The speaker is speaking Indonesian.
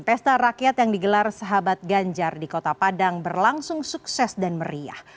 pesta rakyat yang digelar sahabat ganjar di kota padang berlangsung sukses dan meriah